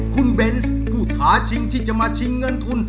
คุณเบนส์ผู้ท้าชิงที่จะมาชิงเงินทุน